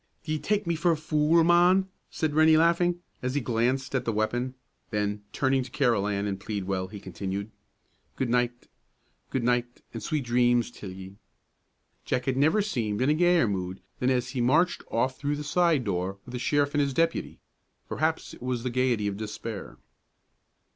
"D'ye tak' me for a fool, mon?" said Rennie, laughing, as he glanced at the weapon; then, turning to Carolan and Pleadwell, he continued, "Good nicht; good nicht and sweet dreams till ye!" Jack had never seemed in a gayer mood than as he marched off through the side door, with the sheriff and his deputy; perhaps it was the gayety of despair.